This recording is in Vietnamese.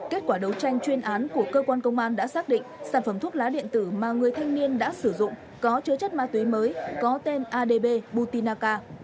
kết quả đấu tranh chuyên án của cơ quan công an đã xác định sản phẩm thuốc lá điện tử mà người thanh niên đã sử dụng có chứa chất ma túy mới có tên adbutinaka